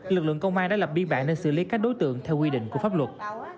lực lượng công an đã lập biên bản để xử lý các đối tượng theo quy định của pháp luật